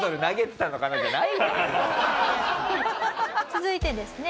続いてですね